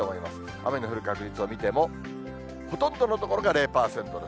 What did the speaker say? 雨の降る確率を見ても、ほとんどの所が０％です。